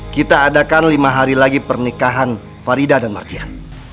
kita adakan lima hari lagi pernikahan farida dan markian